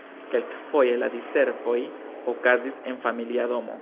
Kelkfoje la diservoj okazis en familia domo.